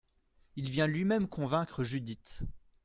Il vient lui-même convaincre Judith.